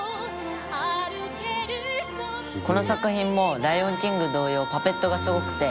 「この作品も『ライオンキング』同様パペットがすごくて」